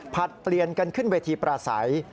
เปลี่ยนกันขึ้นเวทีปราศัย